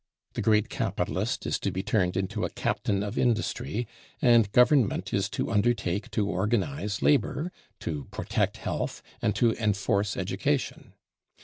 The great capitalist is to be turned into a "captain of industry," and government is to undertake to organize labor, to protect health, and to enforce education.